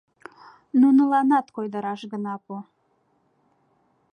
Нуныланат койдараш гына пу.